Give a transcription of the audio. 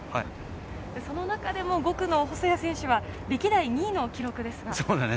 その中でも５区の細谷選手は歴代２位の記録です。